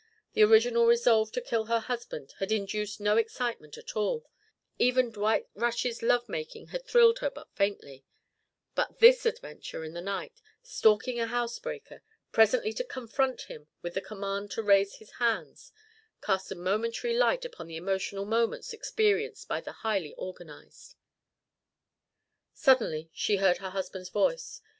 The original resolve to kill her husband had induced no excitement at all; even Dwight Rush's love making had thrilled her but faintly; but this adventure in the night, stalking a house breaker, presently to confront him with the command to raise his hands, cast a momentary light upon the emotional moments experienced by the highly organised. Suddenly she heard her husband's voice.